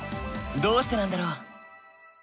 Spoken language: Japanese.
どうしてなんだろう？